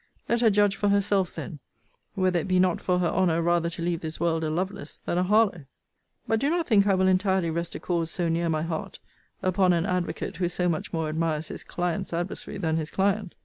Let her judge for herself, then, whether it be not for her honour rather to leave this world a Lovelace than a Harlowe. But do not think I will entirely rest a cause so near my heart upon an advocate who so much more admires his client's adversary than his client.